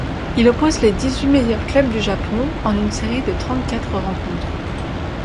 Il oppose les dix-huit meilleurs clubs du Japon en une série de trente-quatre rencontres.